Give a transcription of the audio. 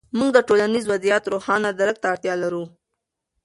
موږ د ټولنیز وضعیت روښانه درک ته اړتیا لرو.